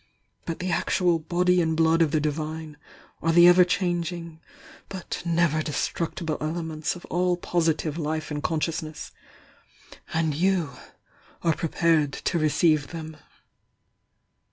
But the actual 'body and blood' of the Divine are the ever changing but never destructible elements of all posi tive Life and Consciousness. And you are prepared to receive them."